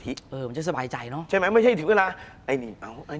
คุณผู้ชมบางท่าอาจจะไม่เข้าใจที่พิเตียร์สาร